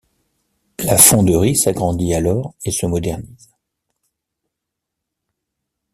La fonderie s'agrandit alors et se modernise.